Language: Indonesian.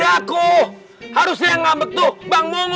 aku harusnya ngambek tuh bang